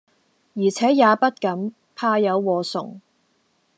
而且也不敢，怕有禍祟。